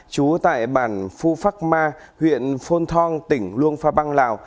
chú tại bản phu phắc ma huyện phôn thong tỉnh luông pha bang lào